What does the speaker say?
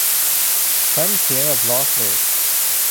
แฟ้มเสียงแบบลอสเลส